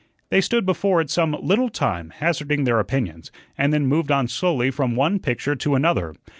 They stood before it some little time, hazarding their opinions, and then moved on slowly from one picture to another.